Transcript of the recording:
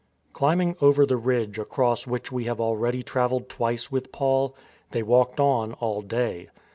CHmbing over the ridge across which we have al ready travelled twice with Paul, they walked on all day.